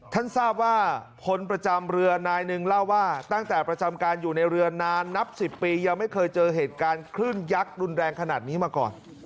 ทราบว่าพลประจำเรือนายหนึ่งเล่าว่าตั้งแต่ประจำการอยู่ในเรือนานนับ๑๐ปียังไม่เคยเจอเหตุการณ์คลื่นยักษ์รุนแรงขนาดนี้มาก่อน